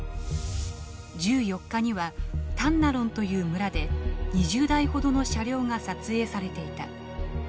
１４日にはタンナロンという村で２０台ほどの車両が撮影されていた。